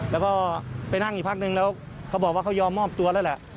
แล้วก็ไปนั่งอีกพักนึงแล้วเขาบอกว่าเขายอมมอบตัวแล้วแหละ